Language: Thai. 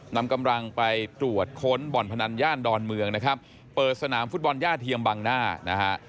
นำกำลังไปตรวจค้นบ่อนพนันย่านดอนเมืองนะครับเปิดสนามฟุตบอลย่าเทียมบังหน้านะฮะ